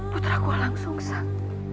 putraku alang sung sang